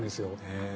へえ。